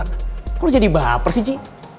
kok lu jadi baper sih ji